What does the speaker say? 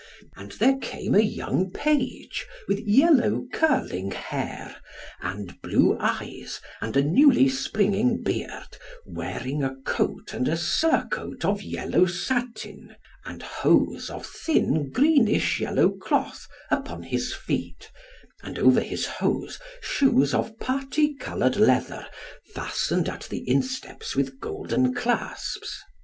And there came a young page with yellow curling hair, and blue eyes, and a newly springing beard, wearing a coat and a surcoat of yellow satin, and hose of thin greenish yellow cloth upon his feet, and over his hose shoes of parti coloured leather, fastened at the insteps with golden clasps.